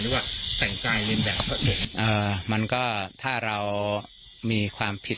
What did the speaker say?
ว่าแต่งกายเรียนแบบพระเอกเอ่อมันก็ถ้าเรามีความผิด